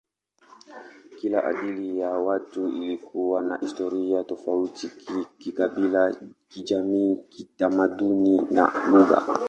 Kila idadi ya watu ilikuwa na historia tofauti kikabila, kijamii, kitamaduni, na lugha.